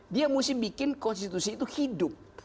dia mesti bikin konstitusi itu hidup